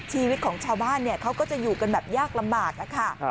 ชีวิตของชาวบ้านเขาก็จะอยู่กันแบบยากลำบากนะคะ